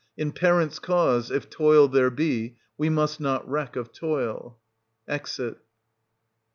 In parents' cause, if toil there be, we must not reck of toil. \Exit.